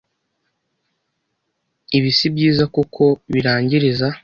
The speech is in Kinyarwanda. Ibi si byiza kuko birangiriza